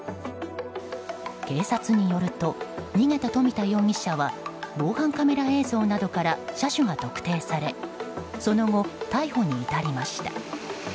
警察によると逃げた冨田容疑者は防犯カメラ映像などから車種が特定されその後、逮捕に至りました。